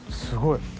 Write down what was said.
すごい。